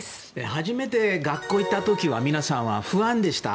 初めて学校に行った時は皆さんは不安でした？